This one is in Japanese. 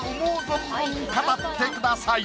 存分語ってください！